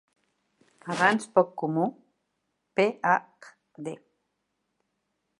Abans poc comú, PhD.